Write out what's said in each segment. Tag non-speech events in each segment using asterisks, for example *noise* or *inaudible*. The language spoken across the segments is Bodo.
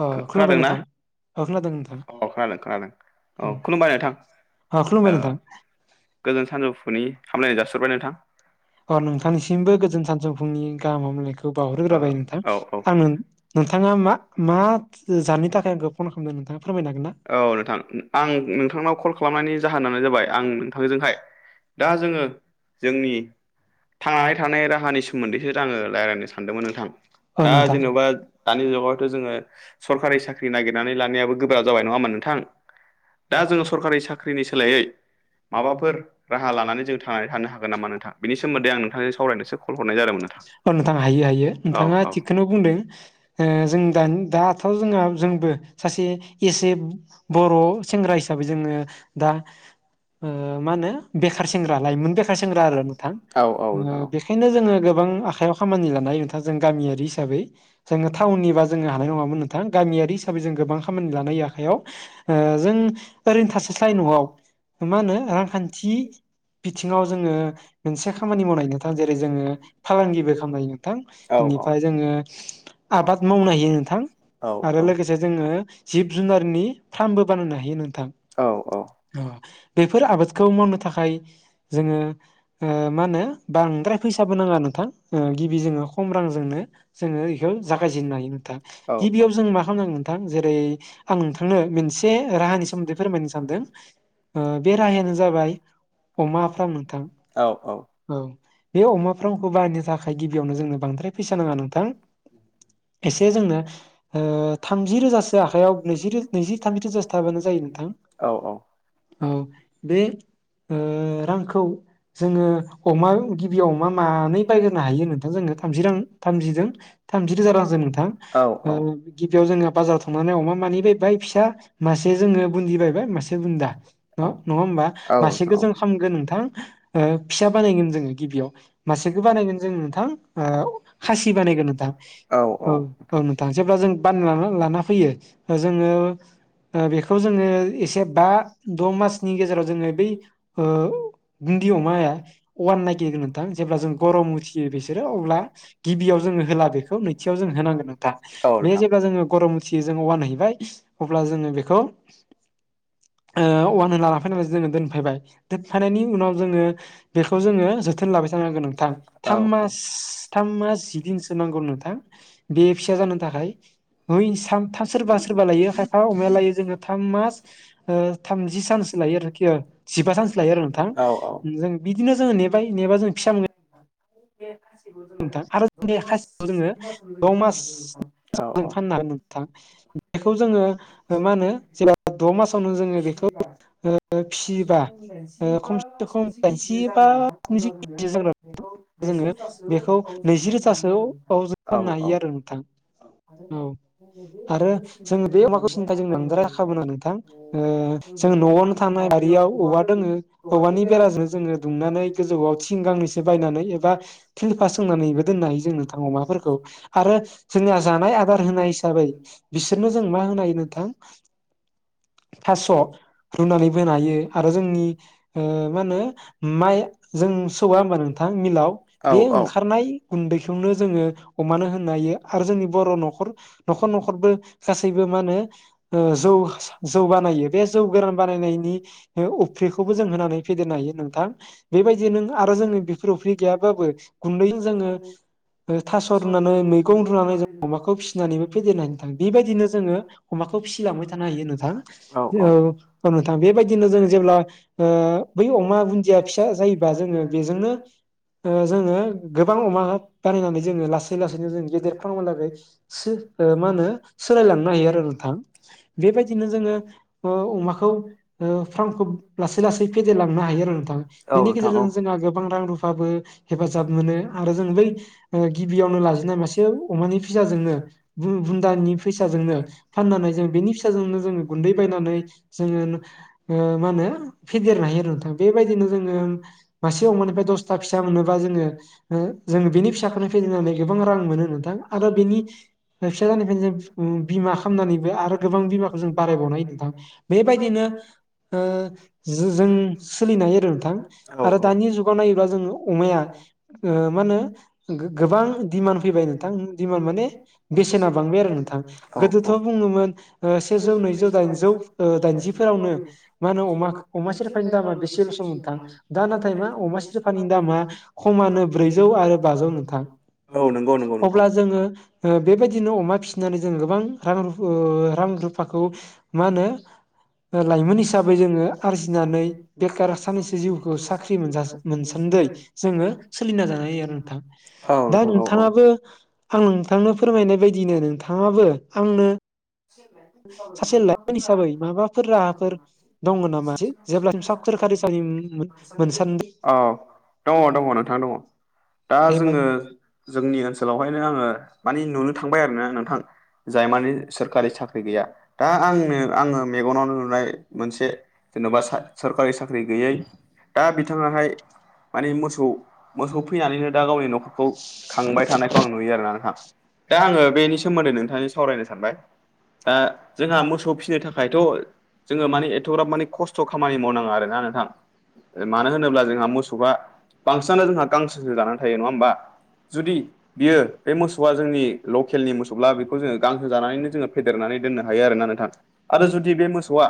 अ खुलुमबाय खोनादों ना नोंथां। अ खोनादों नोंथां औ खोनादों खोनादों औ ओम खुलुमबाय नोंथां अ खुलुमबाय ओ नोंथां। गोजोन सानजौफुनि हामलानाय जासिहर'बाय नोंथां। अ नोंथांनिसिमबो गोजोन सानसौफुंनि गाहाम हामलायनायखौ ओ बावहरग्रोबाय नोंथां। औ औ आं नों-नोंथाङा मा मा जाहोननि थाखाय आंखौ फन खालामदों नोंथाङा फोरमायनो हागोन ना? औ नोंथां आं नोंथांनाव कल खालामनायनि जाहोनानो जाबाय आं नोंथांजोंहाय। दा जोङो जोंनि थांनानै थानाय राहानि सोमोन्दैसो आङो रायलायनो सानदोंमोन नोंथां अ दा नोंथां जेन'बा। दानि जुगावथ' जोङो सरकारि साख्रि नागिरनानै लानायाबो गोब्राब जाबाय नङा होमबा नोंथां। दा जोङो सरकारि साख्रिनि सोलायै। माबाफोर राहा लानानै जों थांनानै थानो हागोन नामा नोंथां? बेनि सोमोन्दै आं नोंथांजों सावरायनोसो कल हरनाय जादोंमोन नोंथां औ नोंथां हायो हायो औ नोंथाङा औ थिगखौनो बुंदों। ओ जों दानि दाथ' जोंहा जोंबो सासे एसे बर' सेंग्रा हिसाबै जोङो दा ओ मा होनो बेखार सेंग्रा लाइमोन बेखार सेंग्रा आरो नोंथां औ औ ओ नोंथां औ बे खायनो जोङो गोबां आखाइयाव खामानि लानाय नोंथां जों गामियारि हिसाबै जोङो टाउननि बा जोङो हानाय नङामोन नोंथां गामियारि हिसाबै जों गोबां खामानि लानाय आखाइयाव। ओ जों ओरैनो थास स्लाय न'आव मा होनो रांखान्थि बिथिङाव जोङो मोनसे खामानि मावनाय नोंथां जेरै- जोङो फालांगिबो खालामनो हायो औ नोंथां इनिफाय जोङो आबाद मावनो हायो नोंथां औ आरो औ लोगोसे जोङो जिब जुन नारनि फार्मबो बानायनो हायो नोंथां। औ औ। बेफोर आबादखौ मावनो थाखाय जोङो ओ मा होनो? बांद्राय फैसाबो नाङा नोंथां ओ गिबि जोङो खम रांजोंनो। जोङो इखौ जागायजेननो हायो नोंथां औ गिबियाव जों मा खालामनांगोन नोंथां जेरै आं नोंथांनो मिन नसे राहानि सोमोन्दै फोरमायनो सानदों बे राहायानो जाबाय। अमा फ्राम नोंथां। औ औ। औ बे अमाफ्रामखौ बाहायनो थाखाय गिबियावनो जोंनो बांद्राय फैसा नाङा नोंथां। एसे जोंनो थामजि ओ रोजासो आखायाव नैजि रो नैजि थामजि रोजासो थाबानो जायो नोंथां। औ औ। औ बे ओ रांखौ जोङो। अमा गिबियाव अमा मानै बायग्रोनो हायो नोंथां जोङो थामजि रां थामजिजों। थामजि रोजा रांजों नोंथां ओ गिबियाव जोङो बाजाराव थांनानै अमा मानै बायबाय फिसा। मासे जोङो बुन्दि बायबाय मासे बुन्दा नङा नङा होमबा मासेखो जों। नोंथां *unintelligible* गोन नोंथां ओ फिसा बानायगोन जोङो गिबियाव मासेखो बानायगोन जों नोंथां। ओ खासि बानायगोन नोंथां औ औ नोंथां औ नोंथां औ औ। नोंथां *unintelligible* जेबब्ला जों बान लाना फैयो जोङो ओ बेखौ जोङो। एसे बा द मासनि गेजेराव जोङो बै ओ बुन्दि अमाया अवान नागिरो नोंथां जेब्ला जों गरम उथियो बिसोरो अब्ला। गिबियाव जोङो होला बेखौ नैथियाव जों होनांगोन नोंथां बे जेब्ला जोङो गरम। थियो जों अवानहैबाय अब्ला जोङो बेखौ। अवान होना लानाफैनानै जोङो दोनफैबाय दोनफैनायनि उनाव। जोङो बेखौ जोङो जोथोन लाबाय थानांगोन नोंथां थाम मास। थाम मास जि दिनसो नांगौ नोंथां बेयो फिसा जानो थाखाय। है सामथा सोरबा सोरबा लायो खायफा अमाया लायो जोङो थाम मास ओ थामजि सानसो लायो आरोखि ओ जिबा सानसो लायो आरो नोंथां जों बिदिनो जोङो नेबाय नेबा जों फिसा मोनो *unintelligible* बे‌ खासिखौ जोङो नोंथां आरो द जों मास खासिखौ जोङो मास मोनब्रै फाननानै *unintelligible* थां बेखौ जोङो ओ माहोनो जेब्ला द मासावनो जोङो बेखौ ओ एसे फिसियोबा खम जायो स्नि बा खमसे खम स्निजि दाइनजि खिजिसो बा जागोन स्निजि नोंथां केजि जाग्रा *unintelligible* बेखौ नैजि जोङो रोजासो बेखौ नैजि रोजासोआव फाननो हायो आरो नोंथां औ आरो जोङो बे अमाखौ *unintelligible* नोंथां ओ जों न आवनो थानाय बारियाव औवा दोङो औवानि बेराजों जोङो दुंनानै गोजौआव थिं गांनैसो बायनानै एबा थिल्फार सोंनानैबो दोननो हायो जों नोंथां अमा फोरखौ आरो जोंनिया जानाय आदार होनाय हिसाबै बिसोरनो जों मा होनाय नोंथां? थास रुनानै बोनो हायो आरो जोंनि ओ मा होनो? माइ जों सौआ होमबा नोंथां मिलाव बे ओंखारनाय गुन्दैखौनो जोङो अमानो होनो हायो आरो जोंनि बर नखर नखर नखरबो गासैबो मा होनो ओ जौ जौ बानायो बे जौ गोरान बानायनायनि ओ अफ्रिखौबो जों होनानै फेदेरनो हायो नोंथां बेबायदि नों आरो जोंनि बेफोर अफ्रि गैयाबाबो गुन्दैजों जोङो ओ थास रुनानै मैगं रुनानै जों अमाखौ फिसिनानैबो फेदेरनो हायो नोंथां बेबायदिनो जोङो अमाखौ फिसिलांबाय थानो हायो नों थां औ नोंथां बेबायदिनो जों जेब्ला ओ बै अमा बुन दिया फिसा जायोबा जोङो बेजोंनो ओ जोङो गोबां अमा बारायनानै जोङो लासै लासैनो जों गेदेर फ्रामा लागै सो ओ माहोनो सोलायलांनो हायो आरो नोंथां बेबायदिनो जोङो ओ अमाखौ ओ फ्रामखौ लासै लासै फेदेरलांनो हायो आरो नोंथां बिनि औ गेजेरजों जोंहा गोबां रां रुफाबो हेफाजाब मोनो आरो जों बै ओ गिबियावनो लाजिनाय मासे अमानि फिसाजोंनो बु-बुन्दानि फैसाजोंनो फाननानै जों बेनि फिसाजोंनो जोङो गुन्दै बायनानै जोङो मा होनो फेदेरनो हायो नोंथां बेबायदिनो जोङो मासे अमानिफ्राय दा दसथा मोनोबा जोडो बेनि फिसाखौनो फेजनानै गोबां रां मोनो नोंथां आरो बिनि फिसा जानायनिफ्रायनो जों बिमा खालामनानैबो आरो गोबां बिमाखौ जों बारायबावनो हायो नोंथां बेबायदिनो जों सोलिनो हायो आरो नोंथां आरो दानि जुगाव नायोब्ला जोङो अमाया मा होनो गोबां दिडिमान्ड फैबाय नोंथां दिमान्ड माने बेसेना बांबाय आरो नोंथां औ औ गोदोथ' बुङोमोन सेजौ नैजौ दाइनजौ दाइनजिफोरावनो मा होनो अ-अमा सेरफानि दामा बेसेल'स नोंथां दा नाथाय मा अमा सिथ फानिनि दामा खमानो ब्रैजौ आरो बाजौ नोंथां औ नंगौ नंगौ नोंथां अब्ला जोङो बेबायदिनो अमा फिसिनानै जों गोबां रां रुफा रां रुफाखौ मा होनो लाइमोन हिसाबै जोङो आरजिनानै बेखार सानैसो जिउखौ साख्रि मोन मोन न्दै जोङो सोलिना जानो हायो आरो नोंथां औ दा नोंथां औ औ नोंथाङाबो आं नोंथांनो फोरमायनाय बायदिनो नोंथाङाबो आंनो *unintelligible* *unintelligible* औ सासे लाइमोन हिसाबै माबाफोर राहाफोर दङ नामा जेब्लासिम सा सोरखारि साख्रि मोनसान्दि दङ दङ नोंथां दङ दा एबा जोङो जोंनि ओनसोलावहायनो आङो मानि नुनो थांबाय आरोना नोंथां जाय मानि सोरकारि साख्रि गैया दा आंनो आङो मेगनाव नुनाय मोनसे जेन'बा सा *unintelligible* मानि मोसौ मोसौ फैनानैनो दा गावनि न'खरखौ खांबाय थानायखौ आं नुयो आरोना नोंथां दा आङो बेनि सोमोन्दै नोंथांजों सावरायनो सानबाय दा जोंहा मोसौ फिसिनो थाखायथ' जोङो माने एथ'ग्राब माने खस्थ' खामानि मावनाङा आरोना नोंथां मानो होनोब्ला जोंहा मोसौआ बांसिनानो जोंहा गांसोसो जानानै थायो नङा होमबा जुदि बियो बे मोसौआ जोंनि लकेलनि मोसौब्ला बेखौ जोङो गांसो जानानैनो जोङो फेदेरनानै दोननो हायो आरोना नोंथां आरो जुदि बे मोसौआ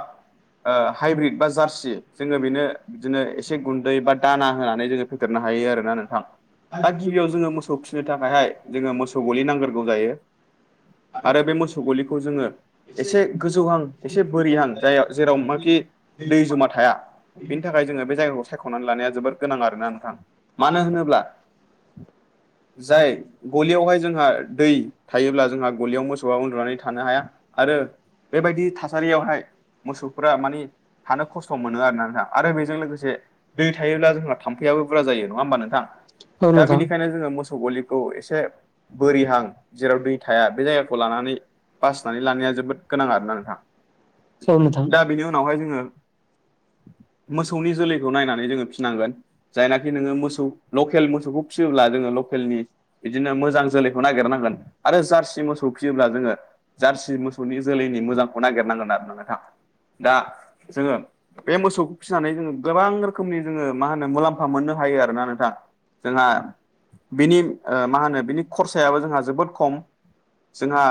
हाइब्रिद बा जारसि जोङो बेनो बिदिनो एसे गुन्दै बा दाना होनानै जोङो फेदेरनो हायो आरो ना नोंथां दा गिबियाव जोङो मोसौ फिनो थाखायहाय जोङो मोसौ गलि नांग्रोगौ जायो बे मोसौ आरो गलिखौ जोङो एसे गोजौहां एसे बोरिहां जाय जेराव माखि दै जमा थाया बिनि थाखाय जोङो बे जायगाखौ सायख'नानै लानाया जोबोर गोनां आरोना नोंथां मानो होनोब्ला जाय गलियावहाय जोंहा दै थायोब्ला जोंहा गलियाव मोसौआ उदुनानै थानो हाया आरो बेबायदि थासारियावहाय मोसौफोरा मानि थानो खस्थ' मोनो आरोना नोंथां आरो बेजों लोगोसे दै थायोब्ला जोंहा थाम्फैआबो बुरजा जायो नङा होमबा नोंथां औ दा नोंथां बेनिखायनो जोङो मोसौ गलि खौ एसे बोरिहां जेराव दै थाया बे जायगाखौ लानानै बासिनानै लानाया जोबोद गोनां आरोना नोंथां औ नोंथां दा बेनि उ नावहाय जोङो मोसौनि जोलैखौ नायनानै जोङो फिसिनांगोन जायनाखि नोङो मोसौ लकेल मोसौखौ फिसियोब्ला जोङो लकेलनि बिदिनो मोजां जोलैखौ नागिरनांगोन आरो जारसि मोसौ खौ फियोब्ला जोङो जारसि मोसौनि जोलैनि मोजांखौ नागिरनांगोन आरो ना नोंथां दा जोङो बे मोसौखौ फिसिनानै जोङो गोबां रोखोमनि जोङो मा होनो मुलाम्फा मोननो हायो आरोना नोंथां जोंहा बिनि मा होनो बिनि खरसायाबो जोंहा जोबोद खम जोंहा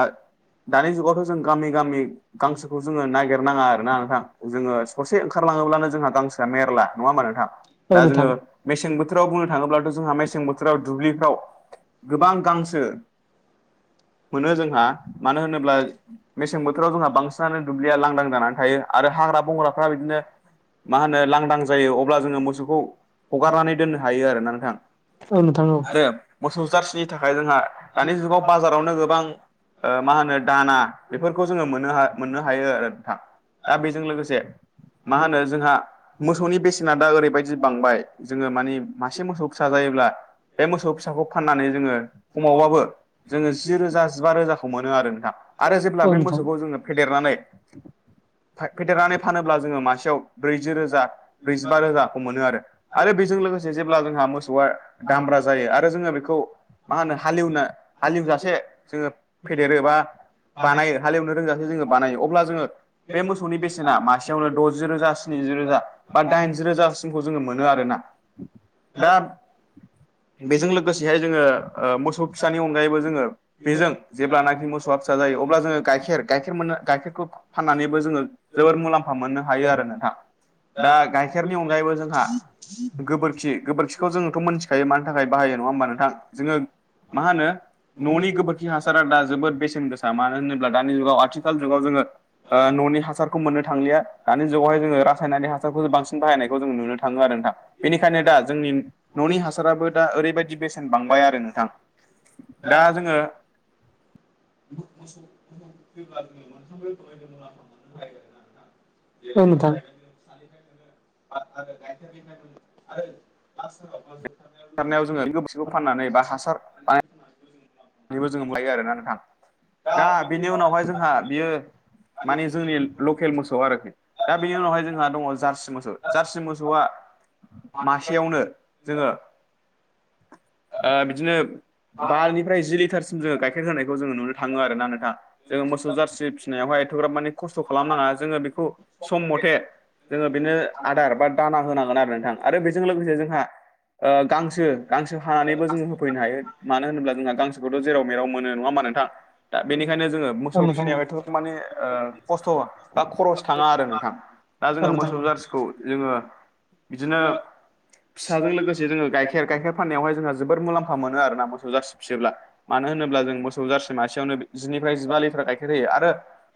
दानि जुगावथ' जों गामि गामि गांसोखौ जोङो नागिरनाङा आरोना नोंथां जोङो ससे ओंखारलाङोब्लानो जोंहा गांसोआ मेरला नङा होमबा नोंथां? औ दा नोंथां जोङो मेसें बोथोराव बुंनो थाङोब्लाथ' जोंहा मेसें बोथोराव दुब्लिफ्राव गोबां गांसो मोनो जोंहा मानो होनोब्ला मेसें बोथोराव जोंहा बांसिनानो दुब्लिया लांदां जानानै थायो आरो हाग्रा बंग्राफ्रा बिदिनो मा होनो लांदां जायो अब्ला जोङो मोसौखौ हगारनानै दोननो हायो आरोना नोंथां। औ नोंथां औ। आरो मोसौ जार्सिनि थाखाय जोंहा दानि जुगाव बाजारावनो गोबां ओ मा होनो दाना बेफोरखौ जोङो मोननो हा मोननो हायो आरो नोंथां दा बेजों लोगोसे मा होनो जोंहा मोसौनि नोंथां बेसेना दा ओरैबायदि बांबाय जोङो मानि मासे मोसौ फिसा जायोब्ला बे मोसौ फिसाखौ फाननानै जोङो खमावबाबो जोङो जि रोजा जिबा रोजा खौ मोनो आरो नोंथाङा आरो जेब्ला बे मोसौखौ जोङो फेदेरनानै फा फेदेरनानै फानोब्ला जोङो मासेयाव ब्रैजि रोजा ब्रैजिबा रोजाखौ मोनो आरो। आरो बेजों लोगोसे जेब्ला जोंहा मोसौआ दामब्रा जायो आरो जोङो बेखौ मा होनो हालेवनो हालेवजासे जोङो फेदेरो बा बानायो हालेवनो रोंजासे जोङो बानायो अब्ला जोङो बे मोसौनि बेसेना मासेयावनो द'जि रोजा स्निजि रोजा। बा दाइनजि रोजासिमखौ जोङो मोनो आरो ना दा बेजों लोगोसेहाय जोङो ओ मोसौ फिसानि अनगायैबो जोङो बेजों जेब्ला नाखि मोसौआ फिसा जायो अब्ला जोङो गाइखेर गाइखेर मोननो गाइखेरखौ फाननानैबो जोङो जोबोद मुलाम्फा मोननो हायो आरो नोंथां। दा गाइखेरनि अनगायैबो जोंहा *unintelligible* गोबोरखि गोबोरखिखौ जोङोथ' मोनथिखायो मानि थाखाय बाहायो नङा होमबा नोंथां जोङो मा होनो न'नि गोबोरखि हास सारा दा जोबोर बेसे गोसा मानो होनोब्ला दानि जुगाव आथिखाल जुगाव जोङो ओ न'नि हासार खौ मोननो थांलिया दानि जुगावहाय जोङो रासायनारि हासारखौ सो बांसिन बाहायनायखौ जों नुनो थां थाङो आरो नोंथां बेनिखायनो दा जोंनि न'नि हासाराबो दा ओरैबायदि बेसेन बांबाय आरो नोंथां। दा जोङो *inaudible* औ नोथां। *inaudible* *unintelligible* जोङो *unintelligible* फाननानै बा हासार *unintelligible* आरोना नोंथां दा बिनि उनावहाय जोंहा बियो मानि जोंनि लकेल मोसौ आरोखि। दा बेनि उनावहाय जोंहा दङ जार्सि मोसौ जारसि मोसौआ मासेयावनो जोङो ओ बिदिनो बा लि जि लिटारसिम जोङो गाइखेर होनायखौ जों नुनो थाङो आरो नोंथां। जोङो मोसौ जारसि फिनायावहाय एथ'ग्राब माने खस्थ' खालामनाङा जोङो बेखौ सम मथे जोङो बेनो आदार बा दाना होनांगोन आरो नोंथां आरो बेजों लोगोसे जोंहा ओ गांसो गांसो हानानैबो जोङो होफैनो हायो मानो होनोब्ला जोंहा गांसोखौथ' जेराव मेराव मोनो। नङा होमबा नोंथां दा बेनिखायनो जोङो मोसौ फिनायाव एथ' माने ओ खस्थ' बा खरस थाङा आरो नोंथां दा जोङो मोसौ जार्सिखौ जोङो बिदिनो फिसाजों लोगोसे जोङो गाइखेर गाइखेर फाननायावहाय जोंहा जोबोर मुलाम्फा मोनो आरोना मोसो जार्सि फियोब्ला मानो होनोब्ला जों मो मोसौ जारसि मासेयावनो जिनिफ्राय जिबा लिटार गाइखेर होयो आरो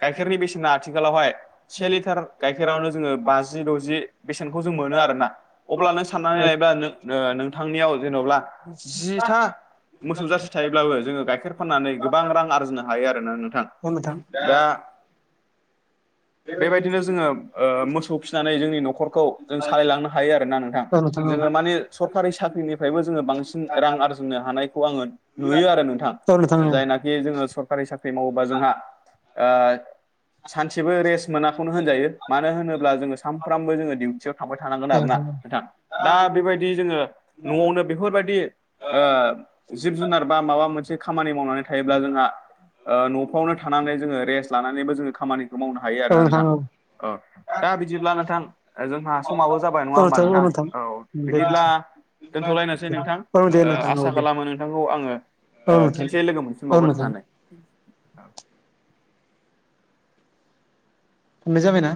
गाइखेरनि बेसेना आथिखालावहाय से लिटार गाइखेरावनो जोङो बाजि द'जि बेसेनखौ जों मोनो आरोना अब्लानो नों सान औ नानै औ नायबा नों ओ नोंथांनियाव जेन'ब्ला जिथा मोसौ जारसि थायोब्लाबो जोङो गाइखेर फाननानै गोबां रां आरजिनो हायो आरोना नोंथां। औ नोंथां। दा *inaudible* बेबायदिनो जोङो ओ मोसौ फिनानै जोंनि न'खरखौ जों सालायलांनो हायो आरोना नोंथां। औ औ नोंथां जोङो माने सरकारि साख्रिनिफ्रायबो जोङो बांसिन रां आरजिनो हानाय खौ आङो नुयो आरो नोंथां औ औ जायनाख *unintelligible* जोङो सरकारि साख्रि मावोबा जोंहा ओ सानसेबो रेस मोनाखौनो होनजायो मानो होनोब्ला जोङो सानफ्रामबो जोङो दिडिउटियाव थाबाय थानांगोन औ आरो ना नोंथां! दा बेफोबायदि जोङो न'आवनो बेफोरबायदि ओ जिब जुनार बा माबा मोनसे खामानि मावनानै थायोब्ला जोंहा ओ न'फ्रावनो थानानै जोङो रेस लानानैबो जोङो खामानिखौ मावनो हायो आरो ना नोंथां? औ दा बिदिब्ला नोंथां जोंहा समाबो जाबाय नङा होमबा नोंथां औ। दे बिदिब्ला बुंसै। दोनथ'लायनोसै नोंथां औ दे ओ नोंथां आसा औ दे खालामो नों नोंथांखौ आङो औ ओ नोंथां खेनसे लोगो औ मोनफिनबावगोन नोंथां होननानै खननै जाबयना?